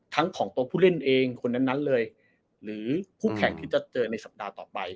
ของตัวผู้เล่นเองคนนั้นเลยหรือคู่แข่งที่จะเจอในสัปดาห์ต่อไป